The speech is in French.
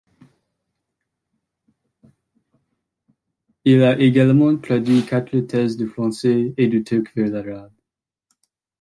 Il a également traduit quatre thèses du français et du turc vers l'arabe.